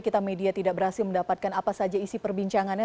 kita media tidak berhasil mendapatkan apa saja isi perbincangannya